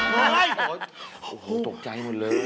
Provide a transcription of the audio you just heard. โหตกใจหมดเลย